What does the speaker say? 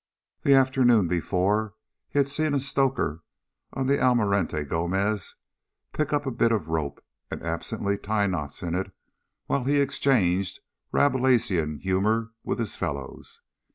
The afternoon before, he had seen a stoker on the Almirante Gomez pick up a bit of rope and absently tie knots in it while he exchanged Rabelasian humor with his fellows.